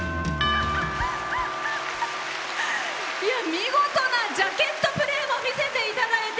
見事なジャケットプレーも見せていただいて。